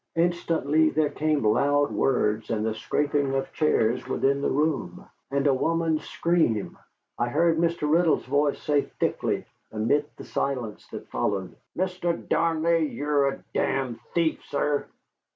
Instantly there came loud words and the scraping of chairs within the room, and a woman's scream. I heard Mr. Riddle's voice say thickly, amid the silence that followed: "Mr. Darnley, you're a d d thief, sir."